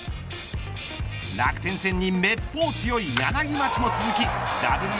楽天戦にめっぽう強い柳町も続きダブル